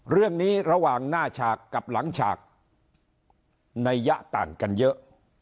เรื่องนี้ระหว่างหน้าฉากกับหลังฉากในยะต่างกันเยอะ